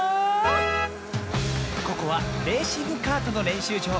ここはレーシングカートのれんしゅうじょう。